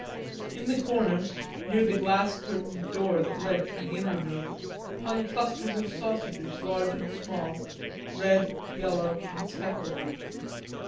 In the corner, near the glass curtained door that led to the inner room, hung clusters of sausages large and small, red, yellow, and speckled.